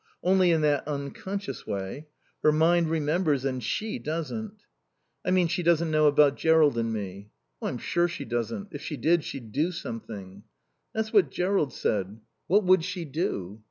Only in that unconscious way. Her mind remembers and she doesn't." "I mean, she doesn't know about Jerrold and me?" "I'm sure she doesn't. If she did she'd do something." "That's what Jerrold said. What would she do?"